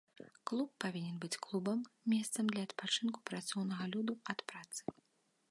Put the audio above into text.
Клуб павінен быць клубам, месцам для адпачынку працоўнага люду ад працы.